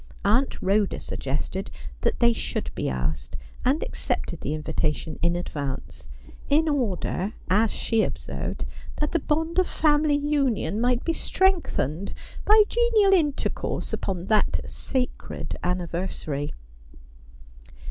Aunt Rhoda suggested that they should be asked, and accepted the invitation in advance ; in order, as she observed, that the bond of family union might be strengthened by genial intercourse upon that sacred anniversary.